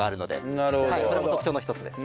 それも特徴の一つです。